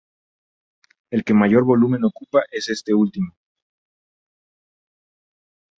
El que mayor volumen ocupa es este último.